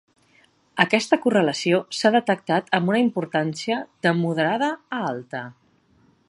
Aquesta correlació s'ha detectat amb una importància de moderada a alta.